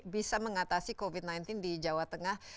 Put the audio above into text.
bisa mengatasi covid sembilan belas di jawa tengah